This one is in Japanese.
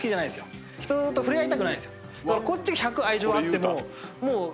こっち１００愛情あっても。